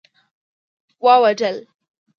واوډل